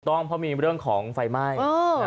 ต้องเพราะมีเรื่องของไฟไหม้